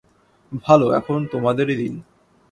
ভাল, এখন তোমাদেরই দিন।